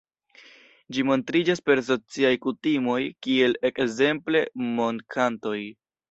Ĝi montriĝas per sociaj kutimoj, kiel ekzemple mok-kantoj.